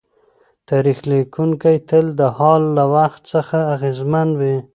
تاریخ لیکونکی تل د حال له وخت څخه اغېزمن وي.